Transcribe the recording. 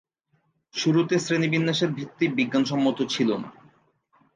শুরুতে শ্রেণিবিন্যাসের ভিত্তি বিজ্ঞানসম্মত ছিল না।